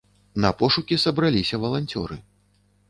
На пошукі сабраліся валанцёры.